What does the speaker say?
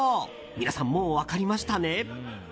皆さん、もう分かりましたね。